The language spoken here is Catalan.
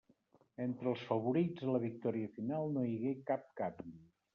Entre els favorits a la victòria final no hi hagué cap canvi.